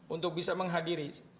untuk bisa menghadiri